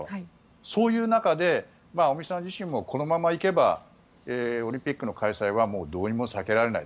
そういう中で、尾身さん自身もこのまま行けばオリンピックの開催はどうにも避けられない。